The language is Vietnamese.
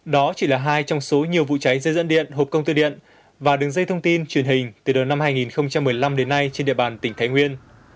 đó chỉ là hai trong số nhiều vụ cháy dây dẫn điện hộp công tơ điện và đường dây thông tin truyền hình từ đầu năm hai nghìn một mươi năm đến nay trên địa bàn tỉnh thái nguyên